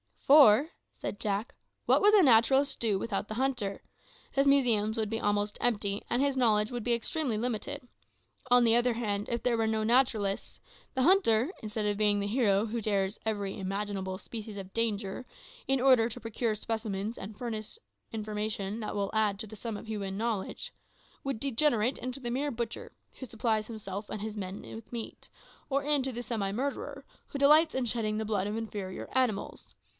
"For," said Jack, "what would the naturalist do without the hunter? His museums would be almost empty and his knowledge would be extremely limited. On the other hand, if there were no naturalists, the hunter instead of being the hero who dares every imaginable species of danger, in order to procure specimens and furnish information that will add to the sum of human knowledge would degenerate into the mere butcher, who supplies himself and his men with meat; or into the semi murderer, who delights in shedding the blood of inferior animals.